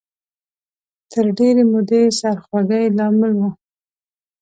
تر ډېرې مودې سرخوږۍ لامل و